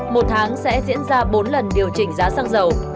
một tháng sẽ diễn ra bốn lần điều chỉnh giá xăng dầu